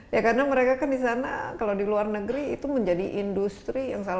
ya karena mereka kan di sana kalau di luar negeri itu menjadi industri yang salah satu